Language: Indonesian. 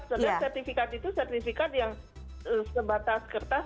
setiap sertifikat itu sertifikat yang sebatas kertas